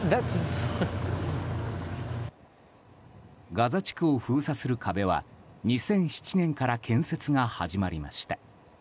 ガザ地区を封鎖する壁は２００７年から建設が始まりました。